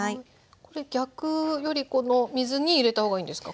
これ逆よりこの水に入れた方がいいんですか？